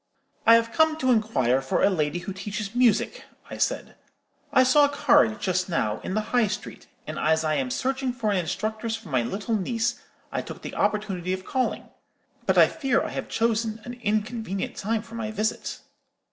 "'I have come to inquire for a lady who teaches music,' I said; 'I saw a card, just now, in the High Street, and as I am searching for an instructress for my little niece, I took the opportunity of calling. But I fear I have chosen an inconvenient time for my visit.'